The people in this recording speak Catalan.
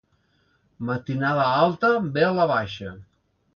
Matinada alta, vela baixa.